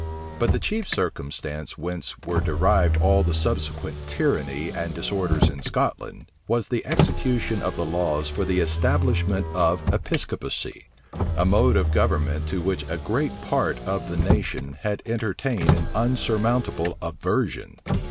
* Burnet, p. 201. But the chief circumstance whence were derived all the subsequent tyranny and disorders in Scotland, was the execution of the laws for the establishment of Episcopacy; a mode of government to which a great part of the nation had entertained an unsurmountable aversion.